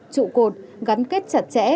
trụ cột gắn kết chặt chẽ